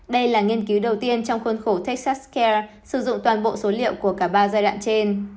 đây là nghiên cứu đầu tiên trong khuôn khổ techsas skyr sử dụng toàn bộ số liệu của cả ba giai đoạn trên